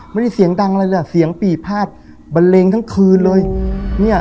ไม่ได้เสียงดังอะไรเลยอ่ะเสียงปี่พาดบันเลงทั้งคืนเลยเนี่ย